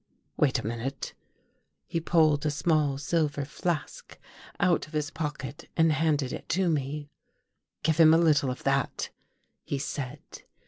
Wait a minute! " He pulled a small silver flask out of his pocket and handed it to me. " Give him a little of that," he said.